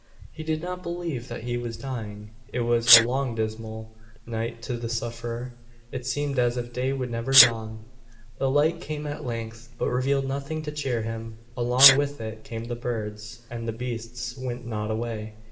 He did not believe that he was dying. It was a long dismal night to the sufferer; it seemed as if day would never dawn. The light came at length, but revealed nothing to cheer him. Along with it came the birds, and the beasts went not away.